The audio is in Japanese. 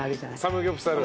サムギョプサル。